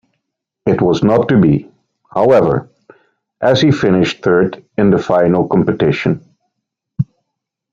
It was not to be, however, as he finished third in the final competition.